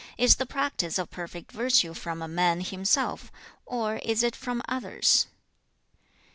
Is the practice of perfect virtue from a man himself, or is it from others?'